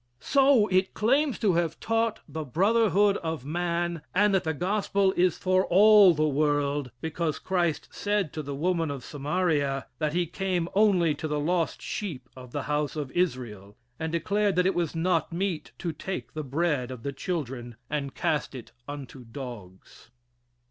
So, it claims to have taught the brotherhood of man and that the gospel is for all the world, because Christ said to the woman of Samaria that he came only to the lost sheep of the house of Israel, and declared that it was not meet to take the bread of the children and cast it unto dogs.